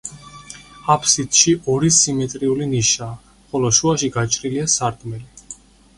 აბსიდში ორი სიმეტრიული ნიშაა, ხოლო შუაში გაჭრილია სარკმელი.